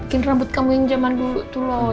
bikin rambut kamu yang zaman dulu tuh loh